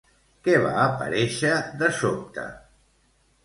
Què va aparèixer de sobte?